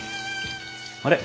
あれ？